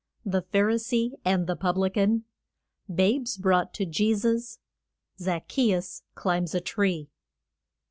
THE PHARISEE AND THE PUBLICAN. BABES BROUGHT TO JESUS. ZACCHEUS CLIMBS A TREE.